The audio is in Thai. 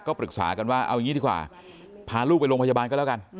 ปรึกษากันว่าเอาอย่างนี้ดีกว่าพาลูกไปโรงพยาบาลก็แล้วกัน